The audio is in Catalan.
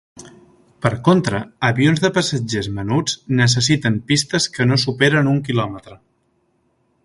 Per contra, avions de passatgers menuts necessiten pistes que no superen un quilòmetre.